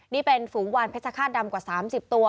นี่เป็นฝูงวานเพชรฆาตดำกว่า๓๐ตัว